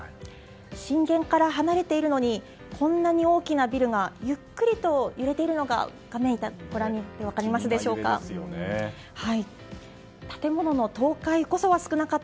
震源から離れているのにこんなに大きなビルがゆっくりと揺れているのが画面をご覧になって分かりますでしょうか。